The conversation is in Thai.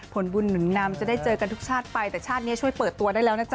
ผลบุญหนุนนำจะได้เจอกันทุกชาติไปแต่ชาตินี้ช่วยเปิดตัวได้แล้วนะจ๊